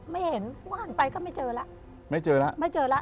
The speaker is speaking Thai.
ไม่เห็นหั่นไปก็ไม่เจอไม่เจอละ